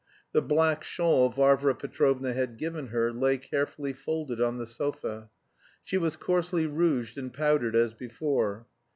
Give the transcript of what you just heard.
The black shawl Varvara Petrovna had given her lay carefully folded on the sofa. She was coarsely rouged and powdered as before.